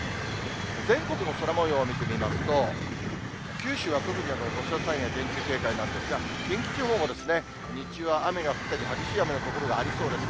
全国の空もようを見てみますと、九州は特に土砂災害厳重警戒なんですが、近畿地方も、日中は雨が降ったり、激しい雨の所がありそうです。